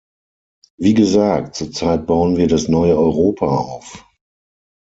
Wie gesagt, zurzeit bauen wir das neue Europa auf.